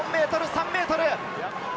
３ｍ！